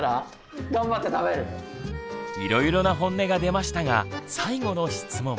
いろいろなホンネが出ましたが最後の質問。